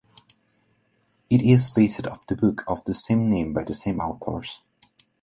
It is based on the book of the same name by the same authors.